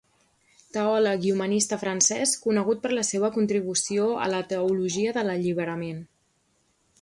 Teòleg i humanista francès conegut per la seva contribució a la teologia de l'alliberament.